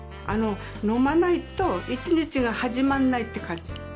飲まないと一日が始まんないって感じ。